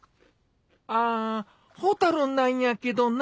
ああ蛍なんやけどな